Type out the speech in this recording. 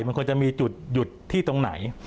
มันควรจะมีจุดหยุดที่ตรงไหน